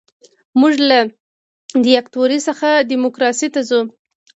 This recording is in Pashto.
موږ له دیکتاتورۍ څخه ډیموکراسۍ ته ځو.